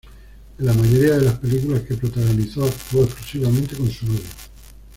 En la mayoría de las películas que protagonizó actuó exclusivamente con su novio.